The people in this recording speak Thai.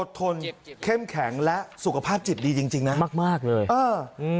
ทนเข้มแข็งและสุขภาพจิตดีจริงจริงนะมากมากเลยเอออืม